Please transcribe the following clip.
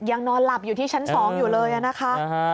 นอนหลับอยู่ที่ชั้น๒อยู่เลยนะคะ